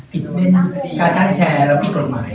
พิดเวิ้นการตั้งแชร์แล้วปิดกฎหมาย